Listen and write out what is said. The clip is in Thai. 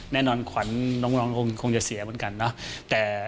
แน่นอนขวัญน้องคงจะเสียเหมือนกันเนาะ